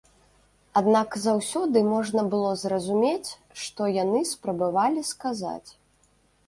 Аднак заўсёды можна было зразумець, што яны спрабавалі сказаць.